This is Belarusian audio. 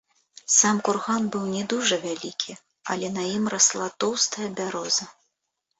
Сам курган быў не дужа вялікі, але на ім расла тоўстая бяроза.